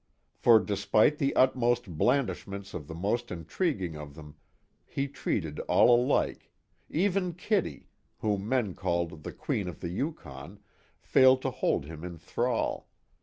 For despite the utmost blandishments of the most intriguing of them, he treated all alike even Kitty, whom men called "The Queen of the Yukon," failed to hold him in thrall.